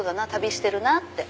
してるなって。